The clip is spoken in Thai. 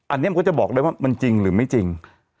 อันนี้มันก็จะบอกได้ว่ามันจริงหรือไม่จริง